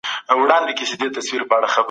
هغه پرون ډېر ژر ولاړی.